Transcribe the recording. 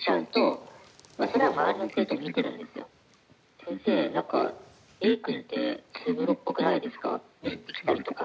先生、なんかＡ君ってツーブロっぽくないですか？って言ってきたりとか。